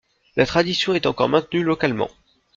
La tradition est encore maintenue localement.